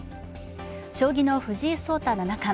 将棋の藤井聡太七冠。